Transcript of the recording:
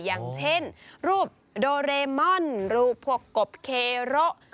อย่างเช่นรูปโดเรมอนรูปพวกกบเคโระ